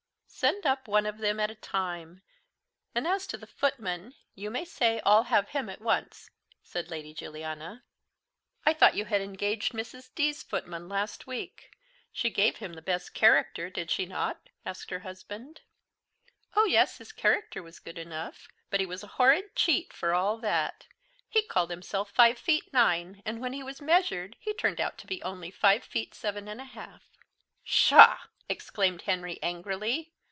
"Send up one of them at a time; and as to the footman, you may say I'll have him at once," said Lady Juliana. "I thought you had engaged Mrs. D.'s footman last week. She gave him the best character, did she not?" asked her husband. "Oh yes! his character was good enough; but he was a horrid cheat for all that. He called himself five feet nine, and when he was measured he turned out to be only five feet seven and a half." "Pshaw!" exclaimed Henry angrily.